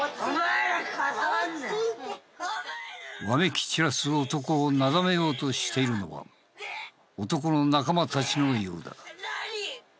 わめき散らす男をなだめようとしているのは男の仲間たちのようだ。